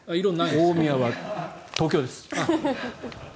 大宮は東京です。